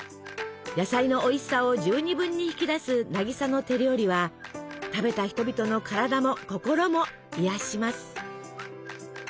野菜のおいしさを十二分に引き出す渚の手料理は食べた人々の体も心も癒やします。